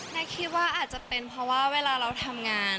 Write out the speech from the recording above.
คิดว่าอาจจะเป็นเพราะว่าเวลาเราทำงาน